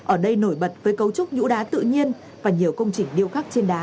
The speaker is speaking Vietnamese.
ở đây nổi bật với cấu trúc nhũ đá tự nhiên và nhiều công trình điêu khắc trên đá